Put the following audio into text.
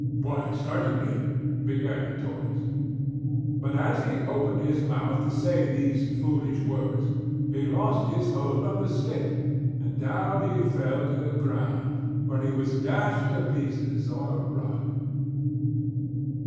"Why certainly " began the Tortoise. But as he opened his mouth to say these foolish words he lost his hold on the stick, and down he fell to the ground, where he was dashed to pieces on a rock.